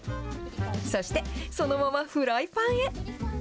そして、そのままフライパンへ。